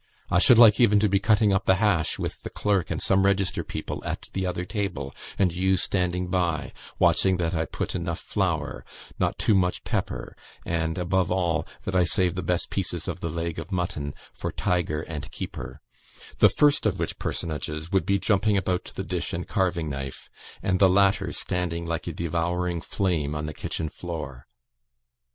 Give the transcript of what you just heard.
I should like even to be cutting up the hash, with the clerk and some register people at the other table, and you standing by, watching that I put enough flour, not too much pepper, and, above all, that I save the best pieces of the leg of mutton for Tiger and Keeper, the first of which personages would be jumping about the dish and carving knife, and the latter standing like a devouring flame on the kitchen floor.